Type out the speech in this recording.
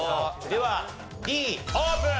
ではＤオープン！